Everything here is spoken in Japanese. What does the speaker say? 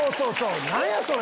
何やそれ！